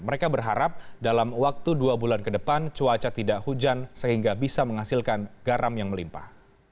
mereka berharap dalam waktu dua bulan ke depan cuaca tidak hujan sehingga bisa menghasilkan garam yang melimpah